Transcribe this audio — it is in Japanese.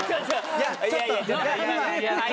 いやちょっと違う。